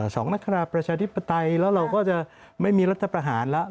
นักคราประชาธิปไตยแล้วเราก็จะไม่มีรัฐประหารแล้ว